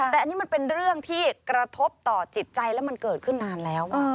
แต่อันนี้มันเป็นเรื่องที่กระทบต่อจิตใจแล้วมันเกิดขึ้นนานแล้ว